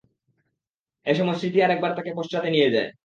এ সময় স্মৃতি আরেকবার তাকে পশ্চাতে নিয়ে যায়।